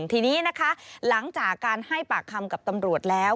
ทีนี้นะคะหลังจากการให้ปากคำกับตำรวจแล้ว